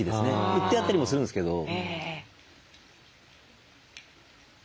売ってあったりもするんですけど。